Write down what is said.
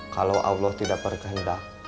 kalau allah tidak berkehendak